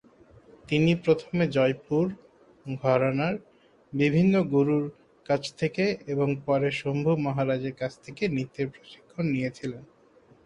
তিনি প্রথমে জয়পুর "ঘরানার" বিভিন্ন গুরুর কাছ থেকে এবং পরে শম্ভু মহারাজের কাছ থেকে নৃত্যের প্রশিক্ষণ নিয়েছিলেন।